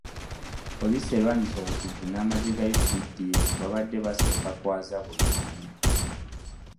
Poliisi erwanyisa obutujju n'amagye ga UPDF babadde basooka kwaza buli omu